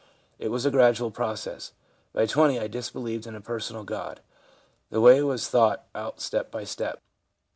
It was a gradual process. By 20 I disbelieved in a personal God. The way was thought out step by step.